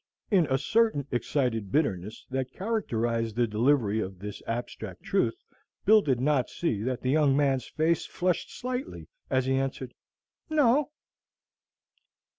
In a certain excited bitterness that characterized the delivery of this abstract truth, Bill did not see that the young man's face flushed slightly as he answered "No."